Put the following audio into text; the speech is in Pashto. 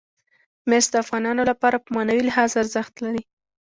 مس د افغانانو لپاره په معنوي لحاظ ارزښت لري.